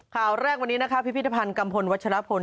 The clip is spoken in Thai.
ข่าวแรกวันนี้นะคะพิพิธภัณฑ์กัมพลวัชลพล